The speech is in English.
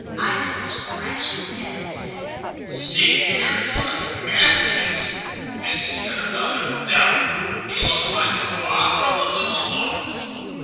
Ivan scratched his head and said: "See here; such nastiness! This is yet another devil. He looks like the father of the little ones."